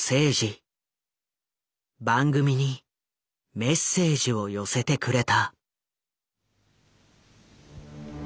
番組にメッセージを寄せてくれた。